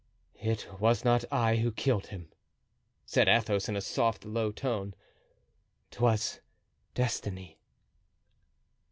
"It was not I who killed him," said Athos in a soft, low tone, "'twas destiny."